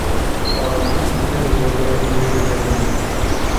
Aramî, ne li devera hûn lê digerin e.